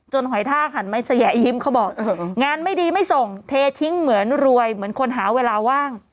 หอยท่าหันไม่แยะยิ้มเขาบอกงานไม่ดีไม่ส่งเททิ้งเหมือนรวยเหมือนคนหาเวลาว่าง